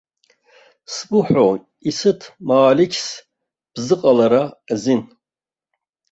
Сбыҳәоит, исыҭ маалықьс бзыҟалара азин.